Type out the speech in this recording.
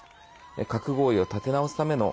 核合意を立て直すための